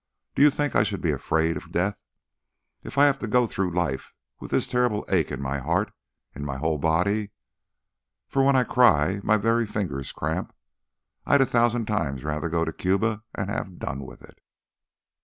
Do you think I should be afraid of death? If I have got to go through life with this terrible ache in my heart, in my whole body for when I cry my very fingers cramp I'd a thousand times rather go to Cuba and have done with it."